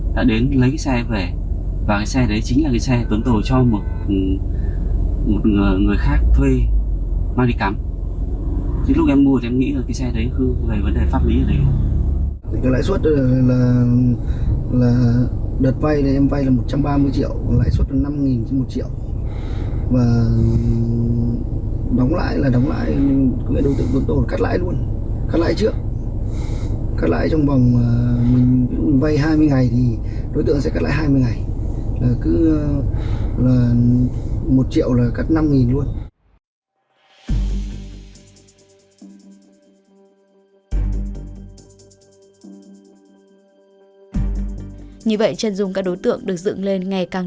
lãi là cứ là một triệu là cắt năm luôn như vậy chân dung các đối tượng được dựng lên ngày càng